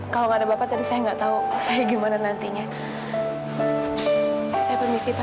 kalau gak ada bapak tadi saya nggak tahu saya gimana nantinya